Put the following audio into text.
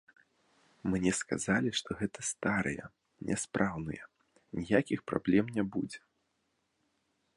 Мне сказалі, што гэта старыя, няспраўныя, ніякіх праблем не будзе.